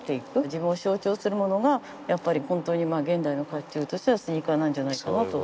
自分を象徴するものがやっぱり本当に現代の甲冑としてはスニーカーなんじゃないかなと。